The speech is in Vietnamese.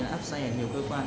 đã áp xe nhiều cơ quan